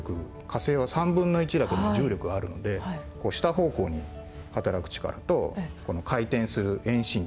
火星は３分の１だけど重力はあるんで下方向に働く力と回転する遠心力。